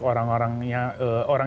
orang orangnya pekerja keras